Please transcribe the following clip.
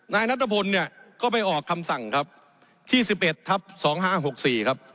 นายนัทพลเนี่ยก็ไปออกคำสั่งครับที่๑๑ทับ๒๕๖๔ครับ